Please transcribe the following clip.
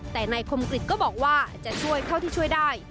แต่นายคมกริจก็บอกว่าจะช่วยเท่าที่ช่วยได้